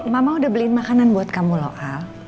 mama sudah belikan makanan untuk kamu al